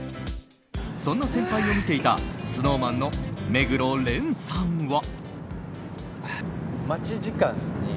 そんな先輩を見ていたＳｎｏｗＭａｎの目黒蓮さんは。